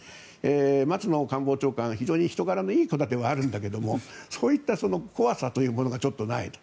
松野官房長官は非常に人柄のいい方ではあるんだけどそういった怖さというものがちょっとないと。